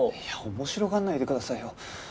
いや面白がらないでくださいよ。